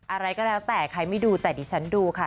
อะไรก็แล้วแต่ใครไม่ดูแต่ดิฉันดูค่ะ